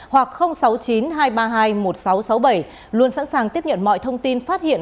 hoặc sáu mươi chín hai trăm ba mươi hai một nghìn sáu trăm sáu mươi bảy luôn sẵn sàng tiếp nhận mọi thông tin phát hiện